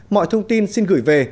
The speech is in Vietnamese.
mọi thông tin xin gửi về